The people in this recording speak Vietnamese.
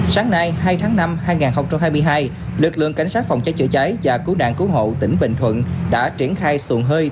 sáng nay hai tháng năm hai nghìn hai mươi hai lực lượng cảnh sát phòng cháy chữa cháy và cứu nạn cứu hộ tỉnh bình thuận đã triển khai xuồng hơi